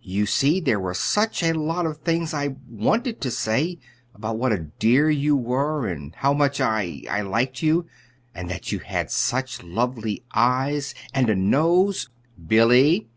"You see there were such a lot of things I wanted to say, about what a dear you were, and how much I I liked you, and that you had such lovely eyes, and a nose " "Billy!"